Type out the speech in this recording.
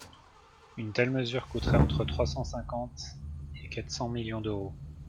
Une telle mesure coûterait entre trois cent cinquante et quatre cents millions d’euros.